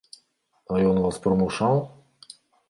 А ён вас прымушаў?